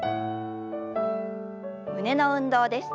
胸の運動です。